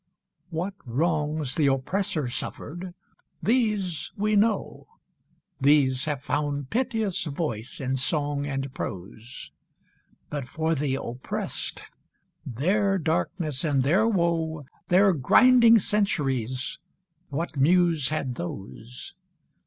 III. What wrongs the Oppressor suffered, these we know; These have found piteous voice in song and prose; But for the Oppressed, their darkness and their woe, Their grinding centuries, what Muse had those?